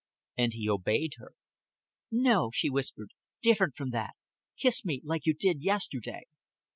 And he obeyed her. "No," she whispered. "Different from that. Kiss me like you did yesterday."